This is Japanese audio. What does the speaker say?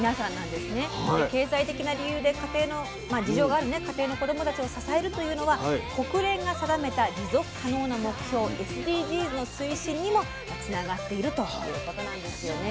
で経済的な理由で事情がある家庭の子どもたちを支えるというのは国連が定めた持続可能な目標ＳＤＧｓの推進にもつながっているということなんですよね。